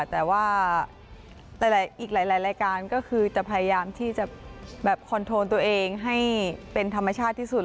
แต่ว่าอีกหลายรายการก็คือจะพยายามที่จะแบบคอนโทรตัวเองให้เป็นธรรมชาติที่สุด